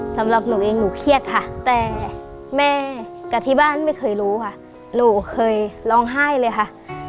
สำหรับหนูเองหนูเครียดค่ะแต่แม่กับที่บ้านไม่เคยรู้ค่ะหนูเคยร้องไห้เลยค่ะ